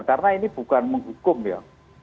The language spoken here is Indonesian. karena ini bukan menghukum ya